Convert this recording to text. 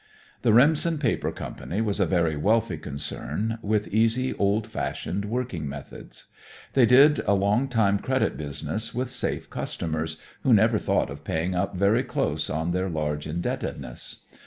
The Remsen Paper Company was a very wealthy concern, with easy, old fashioned working methods. They did a longtime credit business with safe customers, who never thought of paying up very close on their large indebtedness.